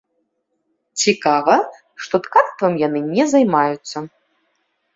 Цікава, што ткацтвам яны не займаюцца.